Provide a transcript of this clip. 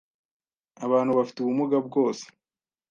Abantu bafite ubumuga bwose